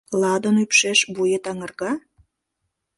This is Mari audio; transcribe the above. Ладын ӱпшеш вует аҥырга?